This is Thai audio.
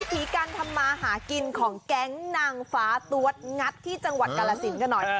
ผีการทำมาหากินของแก๊งนางฟ้าตัวงัดที่จังหวัดกาลสินกันหน่อย